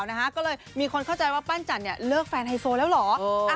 ก็เลยมีคนเข้าใจว่าปั้นจันเนี่ยเลิกแฟนไฮโซแล้วเหรอ